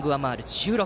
１６